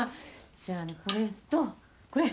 じゃあこれとこれ。